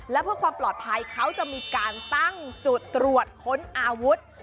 และเพื่อความปลอดภัยเขาจะมีการตั้งจุดตรวจค้นอาวุธ